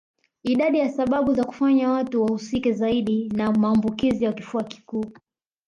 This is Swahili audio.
Idadi ya sababu za kufanya watu wahusike zaidi na maambukizi ya kifua kikuu